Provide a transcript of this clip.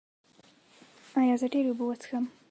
ایا زه ډیرې اوبه وڅښم؟